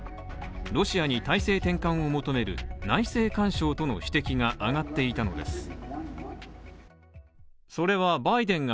ロシアに体制転換を求める内政干渉との指摘が挙がっていたのです。